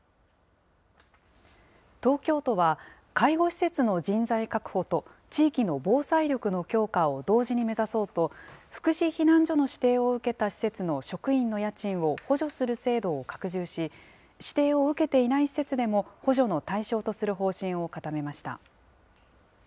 東京都は、介護施設の人材確保と、地域の防災力の強化を同時に目指そうと、福祉避難所の指定を受けた施設の職員の家賃を補助する制度を拡充し、指定を受けていない施設でも補助の対象とする方針を固めました。